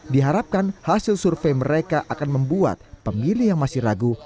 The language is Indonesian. diharapkan hasil survei mereka akan membuat pemilih yang masih ragu